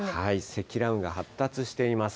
積乱雲が発達しています。